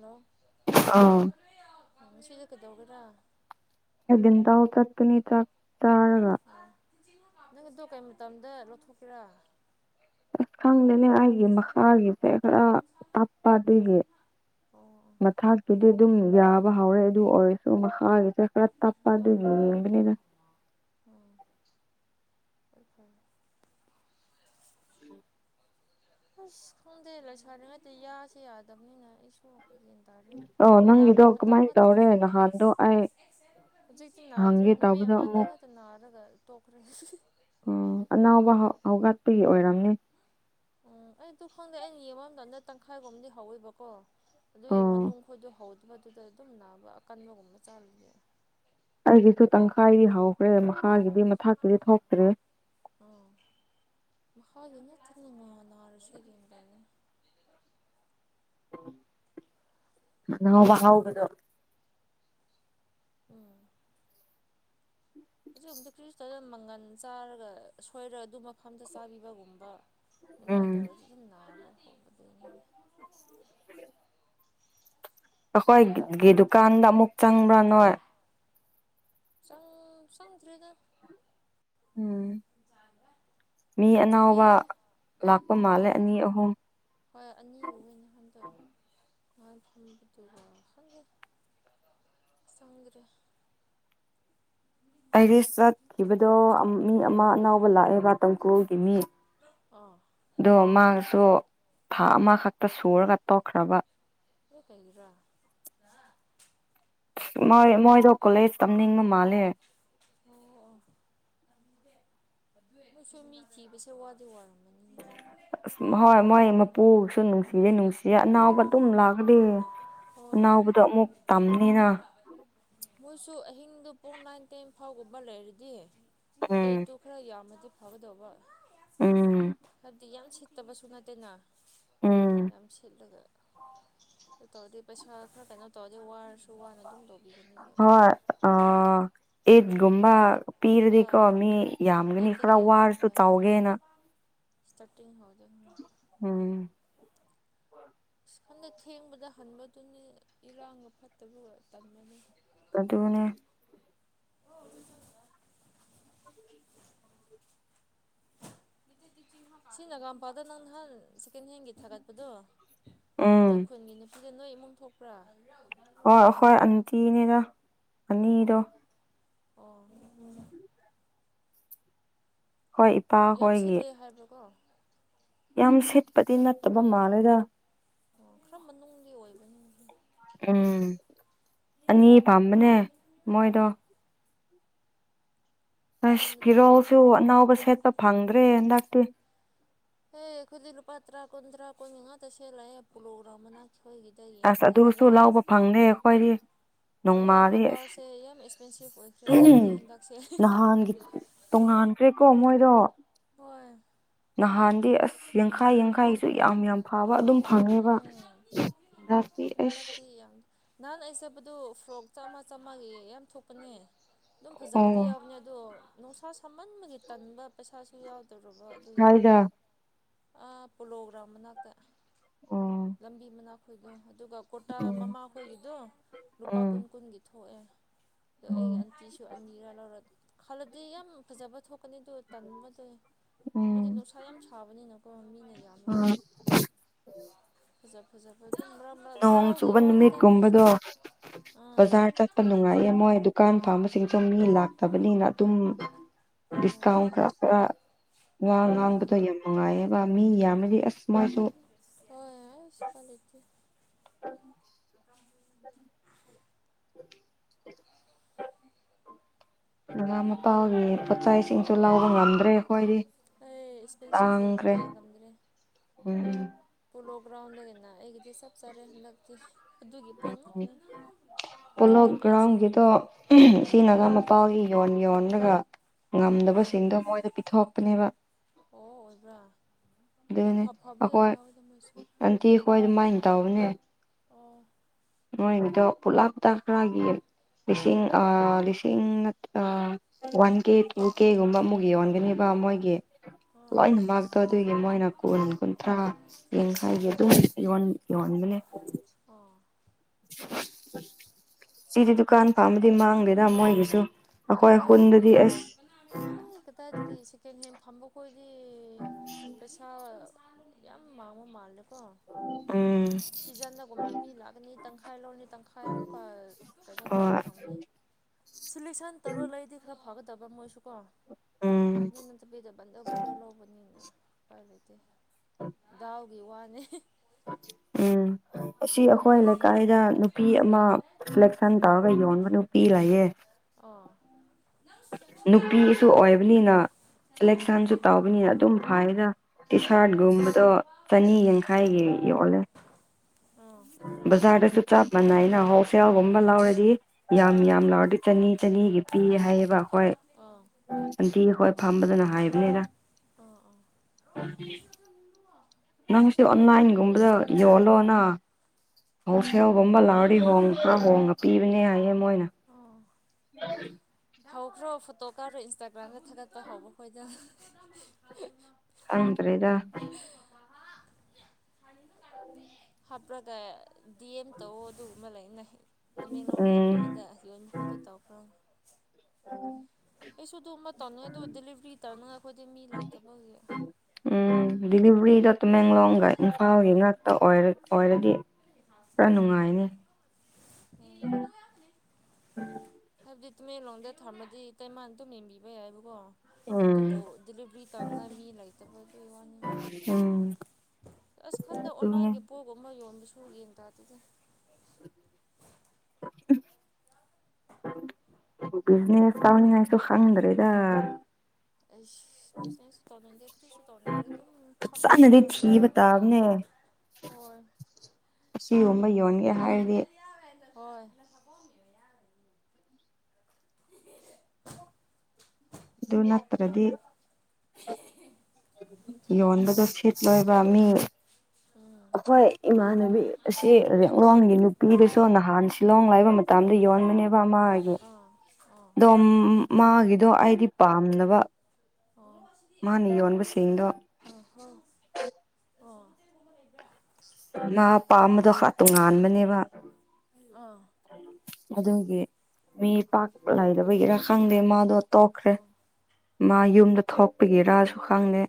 hello ꯑꯥ ꯏ ꯗꯒꯔ ꯑꯗꯨꯗꯤꯟ ꯇ ꯍ ꯆꯄꯤꯅꯤ ꯆꯥꯛ ꯇꯔꯒ ꯅꯪ ꯑꯗꯣ ꯀꯩ ꯃꯇꯝꯗ ꯂꯧꯊꯣꯛꯀꯦꯔꯥ ꯈ ꯂꯩꯅꯦ ꯑꯥꯏꯒ ꯃꯥꯒꯤ ꯐꯦꯔ ꯑꯞꯄꯥꯗꯒꯦ ꯑꯣ ꯑꯣ ꯃꯊꯥꯛꯀꯤꯗꯤ ꯑꯗꯨꯝ ꯌꯥꯕ ꯍꯧꯔꯦ ꯑꯗꯨ ꯑꯣꯏꯔꯁꯨ ꯃꯈꯥꯒꯤꯁꯦ ꯈꯔ ꯇꯄ ꯑꯗꯨ [unintelligible] ꯎꯝ [inaudible] ꯑꯁ ꯈꯪꯗꯦ ꯂꯩꯁꯔꯤꯉꯩꯗ ꯌꯥꯁꯦ ꯌꯥꯗꯕꯅꯤꯅ ꯑꯩꯁꯨ ꯒ꯭ꯌꯥꯟ ꯇꯥꯗ꯭ꯔꯦ ꯑꯣ ꯅꯥꯕ ꯅꯪꯒꯤꯗꯣ ꯃꯇꯝ ꯀꯃꯥꯏꯅ ꯉꯥꯛꯇꯅꯤ ꯇꯧꯔꯦ ꯅꯍꯥꯟꯗꯣ ꯑꯩ ꯍꯧꯖꯤꯛꯇꯤ ꯅꯥꯗ꯭ꯔꯦ ꯍꯪꯒꯦ ꯅꯨꯃꯤꯠ ꯇꯧꯕꯗ ꯑꯃꯅꯤꯅꯤ ꯉꯥꯛꯛꯇ ꯅꯥꯔꯒ ꯇꯣꯛꯈ꯭ꯔꯦ ꯑꯣ ꯑꯅꯥꯎꯕ ꯍꯧꯒꯠꯄꯒꯤ ꯑꯣꯏꯔꯝꯅꯦ ꯎꯝ ꯑꯩꯗꯨ ꯈꯪꯗꯦ ꯑꯩꯅ ꯌꯦꯡꯕ ꯃꯇꯝꯗ ꯇꯪꯈꯥꯏꯐꯥꯎꯝꯗꯤ ꯍꯧꯋꯦꯕꯀꯣ ꯑꯗꯨꯒꯤ ꯑꯣ ꯃꯅꯨꯡ ꯈꯣꯏꯗꯣ ꯍꯧꯗꯕꯗꯨꯗ ꯑꯗꯨꯝ ꯅꯥꯕ ꯑꯀꯟꯕꯒꯨꯝꯕ ꯆꯥꯜꯂꯤ ꯑꯩꯒꯤꯁꯨ ꯇꯪꯈꯥꯏ ꯍꯥꯎ ꯍꯣꯔꯦꯟ ꯃꯈꯥꯒꯤꯗꯤ ꯃꯊꯛꯇꯗꯤ ꯊꯣꯛꯇ꯭ꯔꯤ ꯃꯥ ꯏ ꯊꯉꯅꯔꯖ ꯏ ꯅꯕꯕ ꯍꯕꯗꯣ ꯎꯝ ꯍꯧꯖꯤꯛ ꯑꯃꯗꯤ ꯈ꯭ꯔꯤꯁꯇꯅ ꯃꯪꯒꯜ ꯆꯥꯔꯒ ꯁꯣꯏꯔꯒ ꯑꯗꯨ ꯃꯐꯝꯗ ꯆꯥꯕꯤꯕꯒꯨꯝꯕ ꯅꯨꯡꯃꯥꯏ ꯎꯝ ꯇꯧꯔ ꯑꯗꯨꯝꯕ [inaudible] ꯑꯩꯈꯣꯏꯒꯤ ꯗꯨꯀꯥꯟꯗ ꯑꯃꯨꯛ ꯆꯪꯕ꯭ꯔꯥ ꯅꯣꯏ ꯁꯪ ꯁꯪꯗ꯭ꯔꯔꯤꯒ ꯎꯝ ꯃꯤ ꯅꯨꯄꯤ ꯑꯅꯥꯕ ꯂꯥꯛꯄ ꯃꯥꯜꯂꯦ ꯑꯥ ꯑꯅꯤ ꯑꯍꯨꯝ ꯍꯣꯏ ꯑꯅꯤꯒꯨꯝꯕ ꯑꯣꯏꯅ ꯍꯟꯇ‌ꯛ ꯃꯥ ꯊ ꯆꯪꯗ꯭ꯔꯦ ꯑꯩꯗꯤ ꯆꯠꯈꯤꯕꯗꯣ ꯃꯤ ꯑꯃ ꯑꯅꯥꯎꯕ ꯂꯥꯛꯑꯦꯕ ꯇꯥꯡꯀꯨꯜꯒꯤ ꯃꯤ ꯑꯥ ꯑꯗꯣ ꯃꯥꯁꯨ ꯊꯥ ꯑꯃꯈꯛꯇ ꯁꯨꯔꯒ ꯇꯣꯛꯈ꯭ꯔꯕ ꯀ ꯀꯩꯔꯥ ꯃꯣꯏ ꯃꯣꯏꯗꯣ ꯀꯣꯂꯦꯖ ꯇꯝꯅꯤꯡꯕ ꯃꯥꯜꯂꯦ ꯑꯣꯁꯨ ꯃꯤꯁꯤꯤꯕꯁ ꯋꯥꯗ ꯋꯥ ꯎꯝ ꯑꯁ ꯍꯣꯏ ꯃꯣꯏ ꯃꯄꯨꯁꯨ ꯅꯨꯡꯁꯤꯖꯦ ꯅꯨꯡꯁꯤꯌꯦꯦ ꯑꯅꯥꯎꯕ ꯑꯗꯨꯝ ꯂꯥꯛꯀꯗꯤ ꯍꯣꯏ ꯑꯅꯥꯎꯕꯗꯣ ꯑꯃꯨꯛ ꯇꯝꯅꯤꯅ ꯃꯣꯏꯁꯨ ꯑꯍꯤꯡꯗꯨ ꯄꯨꯡ ꯅꯥꯏꯟ ꯇꯦꯟ ꯐꯥꯎꯒꯨꯝꯕ ꯂꯩꯔꯗꯤ ꯄꯦ ꯎꯝ ꯇꯨ ꯈꯔ ꯌꯥ ꯃꯗꯤ ꯐꯕꯗꯧꯕ ꯎꯝ ꯍꯥꯏꯗꯤ ꯌꯥꯝ ꯁꯤꯠꯇꯕꯁꯨ ꯅꯠꯇꯦꯅ ꯎꯝ ꯌꯥꯝ ꯁꯤꯠꯂ ꯇ ꯈꯔ ꯈꯔ ꯀꯩꯅꯣ ꯇꯧꯔꯗꯤ ꯋꯥꯔꯁꯨ ꯋꯥꯅ ꯑꯗꯨꯝ ꯂꯧꯕꯤꯒꯅꯦꯕ ꯍꯣꯏ ꯑꯥ ꯑꯦꯠꯒꯨꯝꯕ ꯄꯤꯔꯗꯤꯀꯣ ꯃꯤ ꯌꯥꯝꯒꯅꯤ ꯈꯔ ꯑꯩꯠꯇꯒꯤ ꯋꯥꯔꯁꯨ ꯍꯣꯏ ꯇꯧꯒꯦꯅ ꯏꯁꯇꯥꯔꯇꯤꯡ ꯍꯣ ꯎꯝ ꯍꯟꯗ ꯊꯦꯡꯕꯗ ꯍꯟꯕꯗꯨꯅꯤ ꯏꯔꯥꯡꯒ ꯐꯠꯇꯕ ꯇꯝꯃꯅꯤ ꯑꯗꯨꯠꯇꯒꯅꯦ ꯁꯤ ꯅꯒꯥꯝꯄꯥꯗ ꯅꯪ ꯅꯍꯥꯟ ꯁꯦꯀꯦꯟ ꯍꯦꯟꯒꯤ ꯊꯥꯒꯠꯄꯗꯣ ꯅꯣꯏ ꯎꯝ ꯈꯨꯟꯒꯤ ꯅꯨꯄꯤꯗ ꯅꯣꯏ ꯏꯃꯨꯡ ꯊꯣꯛꯄ꯭ꯔꯥ ꯍꯣꯏ ꯍꯣꯏ ꯑꯟꯇꯤꯅꯤꯗ ꯑꯣ ꯑꯅꯤꯗꯣ ꯑꯣ ꯍꯣꯏ ꯏꯄꯥ ꯌꯥꯝ ꯍꯈꯣꯏꯒꯤ ꯁꯤꯠꯂꯦ ꯍꯥꯏꯕꯀꯣ ꯌꯥꯝ ꯁꯤꯠꯄꯗꯤ ꯅꯠꯇꯕ ꯃꯥꯜꯂꯦꯗ ꯑꯣ ꯀꯔꯝꯕ ꯅꯨꯡꯒꯤ ꯑꯣꯏꯕꯅ ꯎꯝ ꯑꯅꯤ ꯄꯥꯝꯕꯅꯦ ꯃꯣꯏꯗꯣ ꯑꯣ ꯑꯃ ꯑꯁ ꯅꯨꯄꯤ ꯐꯤꯔꯣꯜꯁꯨ ꯑꯅꯥꯎꯕ ꯁꯦꯠꯄ ꯐꯪꯗ꯭ꯔꯦ ꯍꯟꯗꯛꯇꯤ ꯍꯦ ꯈꯨꯂꯂꯨ ꯄꯇ꯭ꯔꯥ ꯀꯨꯟꯗ꯭ꯔꯥ ꯀ ꯉ ꯇꯁꯦꯂꯑꯦ ꯄꯨꯂꯣꯒ꯭ꯔꯥ ꯃꯅꯥ ꯁꯣꯏꯒꯤꯗ ꯑꯁ ꯑꯗꯨꯁꯨ ꯌꯦꯡꯈ꯭ꯔꯦꯅꯒ ꯂꯧꯕ ꯐꯪꯗꯦ ꯑꯩꯈꯣꯏꯗꯤ ꯅꯒꯥ ꯅꯣꯡꯃꯥꯗꯤ ꯑꯁ ꯃꯄꯜꯁꯦ ꯌꯥꯝ ꯑꯦꯛꯁꯄꯦꯟꯁꯤꯞ ꯑꯣꯏꯈ꯭ꯔꯦ ꯑꯩꯒꯤꯗꯤ ꯍꯟꯗꯛꯁꯦ ꯃꯥꯟ ꯈꯔ‌ꯦꯀꫭ ꯃꯣꯏ ꯍꯣꯏ ꯅꯍꯥꯟꯗꯤ ꯑꯁ ꯌꯥꯡꯈꯥꯏ ꯌꯥꯡꯈꯥꯏꯁꯨ ꯌꯥꯝ ꯌꯥꯝ ꯐꯕ ꯑꯗꯨꯝ ꯐꯪꯉꯦꯕ ꯎꯝ ꯉꯇꯤ ꯑꯁ ꯍꯟꯗꯛꯇꯤ ꯌꯥꯝ ꯅꯍꯥꯟ ꯑꯩ ꯆꯠꯄꯗꯨ ꯐ꯭ꯔꯣꯛ ꯆꯥꯝꯃ ꯆꯥꯝꯃꯉꯥꯒꯤ ꯌꯥꯝ ꯊꯣꯛꯄꯅꯦ ꯑꯗꯨꯝ ꯐꯖꯕꯗꯤ ꯑꯣ ꯌꯥꯎꯕꯅꯤ ꯑꯗꯣ ꯅꯨꯡꯁꯥ ꯁꯥꯃꯟꯕꯒꯤ ꯇꯟꯕ ꯄꯩꯁꯥꯁꯨ ꯌꯥꯎꯗ ꯇꯧꯔꯕ ꯑꯗꯨꯒꯤꯅꯤ ꯍꯥꯏꯗ ꯑꯥ ꯄꯣꯂꯣ ꯒ꯭ꯔꯥꯝ ꯃꯅꯥꯛꯇ ꯑꯣ ꯂꯝꯕꯤ ꯃꯅꯥꯛ ꯈꫭꯏꯗꯣ ꯑꯗꯨꯒ ꯀꯨꯔꯇꯥ ꯎꯝ ꯃꯃꯥꯈꯣꯏꯒꯤꯗꯣ ꯂꯨꯄꯥ ꯎꯝ ꯀꯨꯟ ꯀꯨꯟꯒꯤ ꯊ ꯑꯗꯣ ꯎꯝ ꯑꯩꯒꯤ ꯑꯟꯇꯤꯁꯨ ꯑꯅꯤꯔ ꯂꯧꯔ ꯈꯜꯂꯗꯤ ꯌꯥꯝ ꯐꯖꯕ ꯊꯣꯛ ꯀꯅꯤꯗꯨ ꯇꯟꯕꯗ ꯃꫭꯏꯗꯤ ꯎꯝ ꯅꯨꯡꯁꯥ ꯌꯥꯝ ꯁꯥꯕꯅꯤꯅꯀꯣ ꯃꯤꯅ ꯌꯥꯝꯂꯒ ꯐꯖꯅꯥ ꯐꯖꯥꯕ ꯅꯣꯡ ꯆꯨꯕ ꯅꯨꯃꯤꯠꯀꯨꯝꯕꯗꯣ ꯑꯥ ꯕꯖꯥꯔ ꯆꯠꯄ ꯅꯨꯡꯉꯥꯏꯌꯦ ꯃꯣꯏ ꯗꯨꯀꯥꯟ ꯐꯥꯝ ꯏꯁꯤꯡ ꯆꯝꯃꯤ ꯂꯥꯛꯇꯕꯅꯤꯅ ꯑꯗꯨꯝ ꯑꯣ ꯗꯤꯁꯀꯥꯎꯟ ꯈꯔ ꯈꯔ ꯉꯥ ꯎꯝ ꯉꯥꯡꯕꯗꯣ ꯌꯥꯝ ꯅꯨꯡꯉꯥꯏꯌꯦꯕ ꯃꯤ ꯌꯥꯝꯅꯗꯤ ꯑꯁ ꯃꯁꯨ ꯍꫭꯏ ꯑꯁꯤ ꯎꯄꯥꯏ ꯂꯩꯇ‌ꯦ ꯎꯝ [unintelligible] ꯅꯒꯥ ꯃꯄꯥꯥꯜꯒꯤ ꯄꫭꯠ ꯆꯩꯁꯤꯡ ꯇꯨ ꯂꯧꯕ ꯉꯝꯗ꯭ꯔꯦ ꯑꯩꯈꯣꯏꯗꯤ ꯑꯩ ꯑꯦꯛꯁꯄꯦꯟꯁꯤꯞ ꯑꯣꯏꯈ꯭ꯔꯦ ꯇꯥꯡꯈ꯭ꯔꯦ ꯉꯝꯗ꯭ꯔꯦ ꯎꯝ ꯄꯣꯂꯣ ꯒ꯭ꯔꯥꯎꯟꯗꯒꯤꯅ ꯑꯩꯒꯤꯗꯤ ꯆꯞ ꯆꯥꯔꯦ ꯅꯛꯇꯤ ꯑꯗꯨꯒꯤ ꯄꯣꯠꯉꯛꯇꯅꯤ ꯄꯣꯂꯣ ꯒ꯭ꯔꯥꯎꯟꯒꯤꯗꯣ ꯁꯤ ꯑꯥ ꯅꯒꯥ ꯃꯄꯥꯜꯒꯤ ꯌꯣꯟ ꯌꯣꯟ ꯑꯥ ꯉꯝꯗꯕꯁꯤꯡꯗꯣ ꯃꯣꯏꯗ ꯄꯤꯊꯣꯛꯄꯅꯦꯕ ꯑꯣ ꯑꯣꯏꯕ꯭ꯔꯥ ꯑꯗꯨꯝ ꯑꯗꯨꯅꯦ ꯐ ꯐꯕ ꯌꯥꯝ ꯑꯩꯈꯣꯏ ꯌꯥꯎꯋꯤꯗ ꯃꯣꯏꯁꯨ ꯑꯟꯇꯤ ꯑꯩꯈꯣꯏ ꯑꯗꯨꯃꯥꯏꯅ ꯇꯧꯕꯅꯦ ꯑꯣ ꯃꫭꯏꯒꯤꯗꫭ ꯄꯨꯂꯞꯇ ꯈꯔ ꯌ‌ꯦꯡ ꯂꯤꯁꯤꯡ ꯑ ꯂꯤꯁꯤꯡ ꯑꯥ ꯋꯥꯟ ꯀꯦ ꯇꯨ ꯀꯦꯒꯨꯝꯕ ꯑꯃꯨꯛ ꯌꯣꯟꯒꯅꯤꯕ ꯃꯣꯏꯒꯤ ꯑꯥ ꯂꯣꯏꯅ ꯑꯥ ꯃꯥꯛꯇꯧ ꯑꯗꯨꯒꯤ ꯃꯣꯏꯅ ꯀꯨꯟ ꯀꯨꯟꯊ꯭ꯔꯥ ꯌꯦꯡꯈꯥꯏꯒꯤ ꯑꯗꯨꯝ ꯌꯣꯟ ꯌꫭꯟ [inaudible] ꯑꯣ ꯁꯤꯗꯤ ꯗꯨꯀꯥꯟ ꯐꯝꯕꯗꯤ ꯃꯥꯡꯗꯦꯗ ꯃꯣꯏꯒꯤꯁꯨ ꯑꯩꯈꯣꯏ ꯍꯣꯏ ꯈꯨꯟꯗꯗꯤ ꯑꯁ ꯀꯗꯥ ꯆ ꯍ ꯐ [unintelligible] ꯍꯥꯏꯗꯤ ꯄꯩꯁꯥ ꯌꯥꯝ ꯃꯥꯡꯕ ꯃꯥꯜꯂꯦ ꯎꯝ ꯃꯤ ꯂꯥꯛꯀꯅꯤ ꯇꯪꯈꯥꯏ ꯂꯧꯔꯅꯤ ꯇꯪꯈꯥꯏꯃꯨꯛꯀ ꯀꯩꯅꯣ ꯇꯧꯔꯒ ꯍꯣꯏ ꯊꯝꯅꯤ ꯁꯣꯂꯁꯟ ꯇꯧꯔ ꯂꯩꯔꯗꯤ ꯈꯔ ꯐꯒꯗꯕ꯭ꯔꯥ ꯃꯣꯏꯁꯨꯀꯣ ꯎꯝ ꯑꯗꯨ ꯅꯠꯇꯕꯤꯗ ꯕꯟꯗꯔ ꯕꯟꯗꯔ ꯂꯧꯕꯅꯤꯅ ꯎꯄꯥꯏ ꯂꯩꯇꯦ ꯗꯥꯎꯒꯤ ꯋꯥꯅꯤ ꯎꯝ ꯑꯁꯤ ꯑꯩꯈꯣꯏ ꯂꯩꯀꯥꯏꯗ ꯅꯨꯄꯤ ꯑꯃ ꯁꯂꯦꯛꯁꯟ ꯇꯧꯔꯒ ꯌꯣꯟꯕ ꯅꯨꯄꯤ ꯂꯩꯌꯦ ꯑ ꯅꯨꯄꯤꯁꯨ ꯑꯣꯏꯕꯅꯤꯅ ꯏꯂꯦꯛꯁꯟꯁꯨ ꯇꯧꯕꯅꯤꯅ ꯑꯗꯨꯝ ꯐꯥꯏꯗ ꯇꯤ ꯑꯥ ꯑꯥ ꯁꯥꯔꯠꯒꯨꯝꯕꯗꯣ ꯆꯅꯤ ꯌꯥꯡꯈꯥꯏꯒꯤ ꯌꯣꯜꯂꯦ ꯑꯥ ꯕꯖꯥꯔꯗꯁꯨ ꯆꯥꯞ ꯃꯅꯩꯏꯅ ꯍꯥꯎꯞ ꯀꯥꯎꯒꯨꯝꯕ ꯂꯥꯎꯔꯗꯤ ꯌꯥꯝ ꯑꯥ ꯌꯥꯝ ꯂꯥꯎꯔꯗꯤ ꯆꯅꯤ ꯆꯅꯤꯒꯤ ꯄꯤ ꯍꯥꯏꯌꯦꯕ ꯑꯩꯈꯣꯏ ꯏꯟꯇꯤ ꯑꯩꯈꯣꯏ ꯐꯝꯕꯗꯨꯅ ꯍꯥꯏꯕꯅꯤꯗ ꯑꯥ ꯑꯥ ꯅꯪ ꯁꯤ ꯑꯣꯟꯂꯥꯏꯟꯒꯨꯝꯕꯗ ꯌꯣꯜꯂꯣꯅ ꯍꯧꯁꯦꯜꯒꯨꯝꯕ ꯂꯥꯎꯔꯤ ꯍꯣꯡ ꯈꯔ ꯍꯣꯡꯉ ꯄꯤꯕꯅꯦ ꯍꯥꯏꯌꯦ ꯃꯣꯏ [inaudible] ꯑꯣ ꯍꯧꯈ꯭ꯔꯣ ꯐꯣꯇꯣ ꯀꯥꯈ꯭ꯔꯣ ꯏꯟꯁꯇꯥꯒ꯭ꯔꯥꯝꯗ ꯊꯥꯒꯠꯄ ꯍꯧꯕ ꯑꯩꯈꯣꯏꯗꯅ ꯈꯪꯗ꯭ꯔꯦꯗ [inaudible] ꯍꯥꯞꯄ꯭ꯔꯒ ꯗꯤ ꯑꯦꯝ ꯇꯧ ꯑꯗꯨꯒꯃ ꯂꯩꯅꯩ ꯎꯝ ꯇꯃꯦꯡꯂꯣꯡꯒꯤꯒꯨꯝꯕꯗ ꯌꯣꯏ ꯃꯀꯣꯗꯣ ꯇꯥꯎꯈ꯭ꯔꯣ ꯑꯩꯁꯨ ꯑꯗꯨ ꯑꯃ ꯇꯧꯅꯤꯨ ꯑꯗꯨ ꯗꯦꯂꯤꯚꯔꯤ ꯇꯥꯅꯉ ꯑꯩꯈꯣꯏꯗꯤ ꯃꯤ ꯂꯩꯇꯕꯒꯤ ꯎꯝ ꯗꯤꯂꯤꯚꯔꯤꯗꯣ ꯇꯃꯦꯡꯂꯣꯡꯒ ꯏꯝꯐꯥꯜꯒꯤ ꯉꯛꯇ ꯑꯣꯏꯔ ꯑꯣꯏꯔꯗꯤ ꯄꯨꯔ ꯅꯨꯡꯉꯥꯏꯅꯤ [inaudible] ꯑꯗꯨꯗꯤ ꯇꯨꯃꯦꯡꯂꯣꯝꯗ ꯊꯝꯃꯗꯤ ꯀꯩꯃꯥꯟ ꯑꯗꯨꯝ ꯌꯦꯡꯕꯤꯕ ꯌꯥꯏꯑꯕꯀꯣ ꯑꯗꯨꯕꯨ ꯎꯝ ꯗꯤꯂꯤꯚꯔꯤ ꯇꯧꯅꯤꯉꯥꯏ ꯃꯤ ꯂꯩꯇꯕꯗ ꯋꯥꯅꯤ ꯎꯝ ꯑꯁ ꯈꯟꯗ ꯑꯗꯨꯅꯦ ꯑꯣꯅꯥꯒꯤ ꯄꯣꯛꯒ ꯑꯃ ꯌꯣꯟꯝꯕ [unintelligible] ꯕꯤꯖꯤꯅꯦꯁ ꯀꯅꯤ ꯍꯥꯏ ꯑꯗꯨ ꯍꯪꯗ꯭ꯔꯦꯗ ꯑꯁꯅꯦꯁꯨ ꯇꯧꯗꯗꯤ ꯇ꯭ꯔꯤꯁꯨ ꯇꯧꯗ ꯑꯗꯨꯝ ꯐꯝꯅ ꯐꯖꯅꯗꯤ ꯆꯥꯔꯦꯅꯦ ꯊꯤꯕ ꯇꯥꯕꯅꯦ ꯑꯣ ꯑꯁꯤꯒꯨꯝꯕ ꯌꯣꯟꯒꯦ ꯍꯥꯏꯔꯗꯤ ꯑꯗꯨ ꯅꯠꯇ꯭ꯔꯗꯤ ꯌꯣꯟꯕꯗꯣ ꯁꯤꯠꯂꯣꯏꯕꯥ ꯃꯤ ꯎꯝ ꯑꯩꯈꯣꯏ ꯏꯃꯥꯟꯅꯕꯤ ꯑꯁꯤ ꯔꯦꯡꯂꯣꯡꯒꯤ ꯅꯨꯄꯤꯗꯁꯨ ꯅꯍꯥꯟ ꯁꯤꯂꯣꯡ ꯂꯥꯏꯕ ꯃꯇꯝꯗ ꯌꯣꯟꯕꯅꯦꯕ ꯃꯥꯒꯤ ꯑꯥ ꯑꯥ ꯑꯣ ꯃꯥꯒꯤꯗꯣ ꯑꯩꯗꯤ ꯄꯥꯝꯗꯕ ꯑꯥ ꯃꯥꯅ ꯌꯣꯟꯕꯁꯤꯡꯗꯣ ꯑꯥ ꯍꯣꯏ ꯃꯥ ꯄꯥꯝꯕꯗꯣ ꯈꯛ ꯇꯣꯉꯥꯟꯕꯅꯦꯕ ꯑꯥ ꯑꯗꯨꯒꯤ ꯃꯤ ꯄꯥꯛ ꯂꯩꯗꯕꯒꯤꯔꯥ ꯈꯪꯗꯦ ꯃꯥꯗꯣ ꯇꯣꯛꯈ꯭ꯔꯦ ꯑꯥ ꯃꯥ ꯑꯣ ꯌꯨꯝꯗ ꯊꯣꯛꯄꯒꯤ ꯔꯥꯁꯨ ꯈꯪꯗꯦ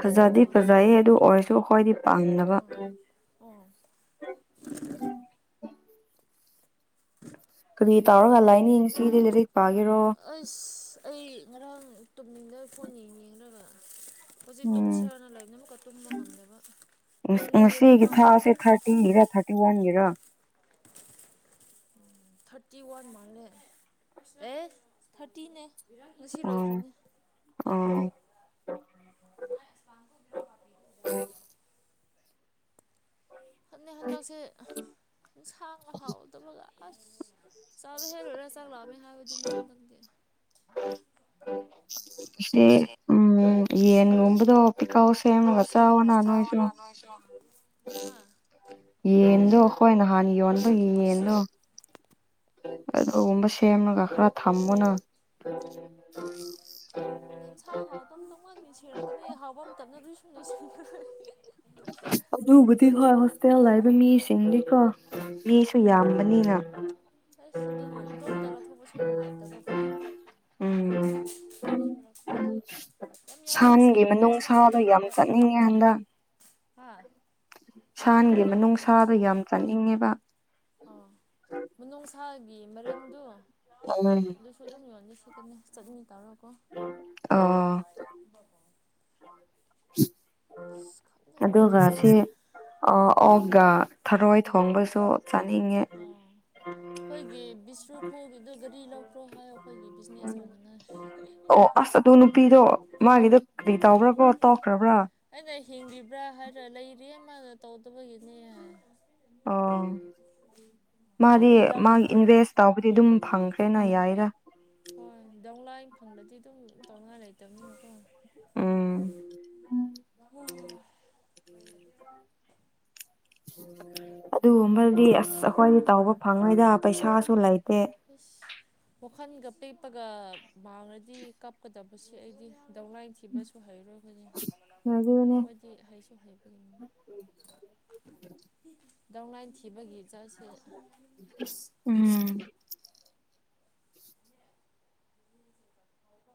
ꯐꯖꯗꯤ ꯃꯥꯜꯂꯦ ꯐꯖꯩꯌꯦ ꯑꯗꯨ ꯑꯣꯏꯔꯁꯨ ꯑꯩꯈꯣꯏꯗꯤ ꯄꯥꯝꯗꯕ ꯑꯥ ꯑꯣ ꯀꯔꯤ ꯇꯥꯎꯔꯒ ꯂꯩꯅꯤ ꯉꯁꯤꯗꯤ ꯂꯥꯏꯔꯤꯛ ꯄꯥꯒꯦꯔꯣ ꯇꯨꯝꯅꯤꯡꯗ ꯐꯣꯟ ꯌꯦꯡ ꯌꯦꯡꯉꯒꯥ ꯍꯧꯖꯤꯛ ꯎꯝ ꯇꯨꯝꯁ꯭ꯔꯅ ꯂꯩꯕꯅ ꯑꯃꯨꯛꯀ ꯇꯨꯝꯕ ꯉꯝꯗꯕ ꯇꯨꯝꯒꯦ ꯍꯥꯏꯗꯤ ꯉꯁꯤꯒꯤ ꯇꯨꯝꯕ ꯊꯥꯁꯦ ꯉꯝꯃꯣꯏ ꯊꯥꯔꯇꯤꯟꯒꯤꯔ ꯊꯥꯔꯇꯤ ꯋꯥꯟꯒꯤꯔ ꯊꯥꯔꯇꯤ ꯋꯥꯟ ꯃꯥꯅꯦ ꯑꯦ ꯊꯥꯔꯇꯤꯅꯦ ꯉꯁꯤ ꯑꯣ ꯂꯣꯏꯈ꯭ꯔꯅꯦ ꯑꯣ ꯖ ꯐꯅꯦꯛ ꯍꯟꯗꯛꯁꯦ ꯁꯥꯡꯅ ꯍꯥꯎꯗꯕꯒ ꯑꯁ ꯆꯥꯗꯣ ꯍꯩꯔꯨꯔꯣ ꯆꯥꯛ ꯂꯝꯃꯦ ꯍꯥꯢꯕꯗꯤꯅꯦ ꯍꯟꯗꯛꯇꯤ ꯁꯦ ꯎꯝ ꯌꯦꯟ ꯌꯣꯟꯕꯗꯣ ꯄꯤꯀꯜ ꯀꯥꯎ ꯁꯦꯝꯃꯒꯥ ꯆꯥꯑꯣꯅꯥ ꯁꯦꯝꯃꯒ ꯅꯣꯏꯁꯨ ꯆꯥꯎꯅ ꯅꯣꯏꯁꯨ ꯍꯥ ꯌꯦꯟꯗꯣ ꯑꯩꯈꯣꯏ ꯅꯍꯥꯟ ꯌꯣꯟꯕꯒꯤ ꯌꯦꯟꯗꯣ ꯑꯗꯨꯒꯨꯝꯕ ꯁꯦꯃꯒꯥ ꯈꯔ ꯊꯝꯃꯣꯅ ꯌꯦꯟꯁꯥꯡ ꯍꯥꯎꯗꯕ ꯇꯧꯉꯥꯟꯅ ꯁꯔꯛꯀꯅꯤ ꯍꯥꯎꯕ ꯃꯇꯝꯗ ꯑꯗꯨ ꯁꯨꯝ ꯁꯤꯕꯦ ꯑꯗꯨꯕꯨꯗꯤ ꯍꯣꯏ ꯍꯣꯁꯇꯦꯜ ꯂꯩꯕꯥ ꯃꯤꯁꯤꯡꯗꯤꯀꯣ ꯃꯤꯁꯨ ꯎꯝ ꯌꯥꯝꯕꯅꯤꯅ ꯑꯗꯨꯁꯨ ꯅꯨꯡꯉꯥꯏꯇꯕꯀꯣ ꯎꯝ ꯃꯤ ꯃꯔꯛꯇꯨꯗꯥ ꯁꯟꯒꯤ ꯃꯅꯨꯡꯁꯗꯣ ꯌꯥꯝ ꯆꯠꯅꯤꯡꯉꯦ ꯈꯡꯕꯔꯥ ꯍꯥ ꯁꯥꯟꯒꯤ ꯃꯅꯨꯡꯁꯥꯗꯣ ꯌꯥꯝ ꯆꯥꯅꯤꯡꯉꯦꯕ ꯃꯅꯨꯡ ꯁꯥꯒꯤ ꯃꯔꯤꯟꯗꯨ ꯎꯝ ꯑꯗꯨꯁꯨ ꯑꯗꯨꯝ ꯌꯣꯜꯕ ꯁꯁꯤꯠꯀꯅꯤ ꯆꯠꯅꯤ ꯇꯧꯔꯒ ꯑꯣ [unintelligible] ꯑꯁ ꯈꯪꯗꯦ ꯑꯗꯨꯒ ꯒꯥꯔꯤ ꯁꯤ ꯑꯣꯛꯒ ꯊꯔꯣꯏ ꯊꯣꯡꯕꯁꯨ ꯆꯥꯅꯤꯡꯉꯦ ꯑꯣ ꯑꯩꯈꯣꯏꯒꯤ ꯇ꯭ꯔꯣꯈꯣꯒꯤꯗ ꯒꯥꯔꯤ ꯂꯧꯈ꯭ꯔꯣ ꯍꯥꯏ ꯑꯩꯈꯣꯏꯒꯤ ꯕꯤꯖꯤꯅꯦꯁ ꯐꯥꯎꯅꯅ ꯃꯥꯒꯤꯗꯨ ꯑꯩꯅ ꯍꯤꯡꯉꯤꯕ꯭ꯔꯥ ꯍꯥꯏꯔꯥꯒ ꯂꯩꯔꯤꯌꯦ ꯃꯥꯅ ꯇꯧꯗꯕꯒꯤꯅꯦ ꯑꯣ ꯃꯥꯗꯤ ꯍꯥꯏꯕꯗꯤ ꯗꯥꯎꯟ ꯃꯥꯒꯤ ꯏꯟꯚꯦꯁ ꯇꯥꯎꯕꯗꯤ ꯑꯗꯨꯝ ꯐꯪꯈ꯭ꯔꯦꯅ ꯌꯥꯏꯗ ꯍꯣꯏꯗꯧ ꯂꯥ ꯐꯪꯂꯗꯗꯤ ꯑꯗꯨꯝ ꯇꯧꯉꯥꯏ ꯂꯩꯇꯕꯅꯤꯅꯀꯣ ꯎꯝ ꯑꯣ ꯑꯗꯨꯒꯨꯝꯕꯗꯤ ꯑꯁ ꯑꯩꯈꯣꯏꯗꯤ ꯇꯥꯎꯕ ꯐꯪꯉꯣꯏꯗ ꯄꯩꯁꯥꯁꯨ ꯂꯩ ꯇꯦ ꯈꯜꯒ ꯄꯦꯛꯄꯒ ꯃꯥꯡꯅꯗꯤ ꯀꯞꯀꯗꯕꯁꯦ ꯑꯩꯗꯤ ꯗꯧꯅꯥꯥꯏ ꯊꯤꯕꯁꯨ ꯍꯩꯔꯣꯏ [inaudible] ꯑꯗꯨꯅꯦ ꯈꯣꯏꯗꯤ ꯍꯩꯁꯨ ꯍꯩꯕ ꯗꯧꯅꯥꯥꯏꯟ ꯊꯤꯈꯤꯕꯒꯤ ꯎꯝ